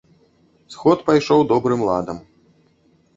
Сход пайшоў добрым ладам.